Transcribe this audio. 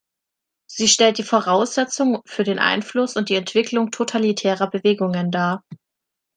Sie stellt die Voraussetzung für den Einfluss und die Entwicklung totalitärer Bewegungen dar.